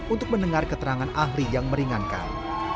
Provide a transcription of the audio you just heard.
untuk mendengar keterangan ahli yang meringankan